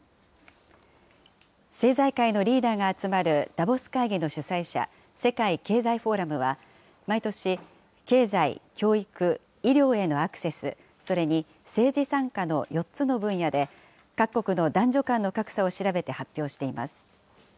政財界のリーダーが集まるダボス会議の主催者、世界経済フォーラムは、毎年、経済、教育、医療へのアクセス、それに政治参加の４つの分野で、各国の男女間の格差を調べて発表しています。